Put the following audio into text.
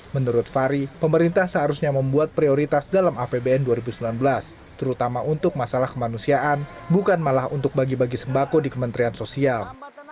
menurut fahri pemerintah seharusnya membuat prioritas dalam apbn dua ribu sembilan belas terutama untuk masalah kemanusiaan bukan malah untuk bagi bagi sembako di kementerian sosial